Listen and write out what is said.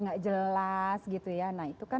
nggak jelas gitu ya nah itu kan